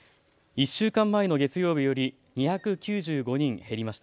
１週間前の月曜日より２９５人減りました。